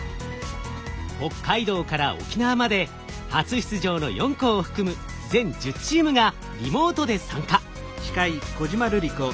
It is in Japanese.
北海道から沖縄まで初出場の４校を含む全１０チームがリモートで参加。